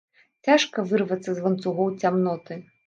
Цяжка вырвацца з ланцугоў цямноты!